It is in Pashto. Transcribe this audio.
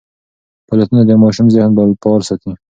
فعالیتونه د ماشوم ذهن فعال ساتي.